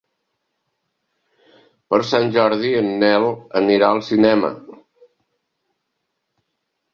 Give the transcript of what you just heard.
Per Sant Jordi en Nel anirà al cinema.